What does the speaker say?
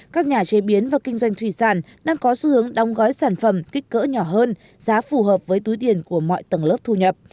các nhà chế biến và kinh doanh thủy sản đang có xu hướng đóng gói sản phẩm kích cỡ nhỏ hơn giá phù hợp với túi tiền của mọi tầng lớp thu nhập